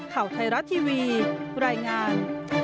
ข่าวไทยรัฐทีวีรายงาน